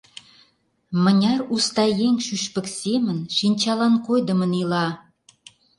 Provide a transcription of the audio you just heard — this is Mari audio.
Мыняр уста еҥ шӱшпык семын шинчалан койдымын ила?